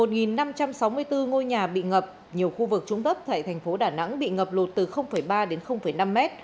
một năm trăm sáu mươi bốn ngôi nhà bị ngập nhiều khu vực trung tấp tại thành phố đà nẵng bị ngập lột từ ba đến năm m